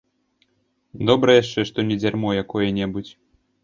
Добра яшчэ, што не дзярмо якое-небудзь.